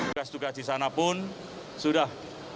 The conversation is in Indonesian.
tugas tugas di sana pun sudah